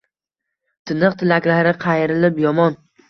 Tiniq tilaklari qayrilib yomon